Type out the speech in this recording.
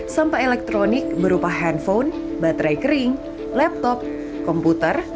sampah elektronik berupa handphone baterai kering laptop komputer